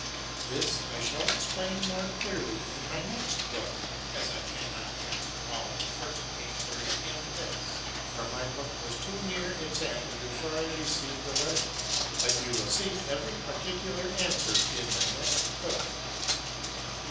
This I shall explain more clearly in my next book ; as I cannot answer all the first inquiry in this ; for my book was too near its end before I received the letter; but you will see every particular answered in my next book.